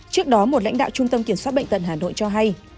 trước đó một lãnh đạo trung tâm kiểm soát bệnh tận hà nội cho hay